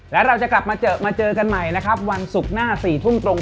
และเราจะกลับมาเจอกันใหม่วันศุกร์หน้า๔ทุ่มตรง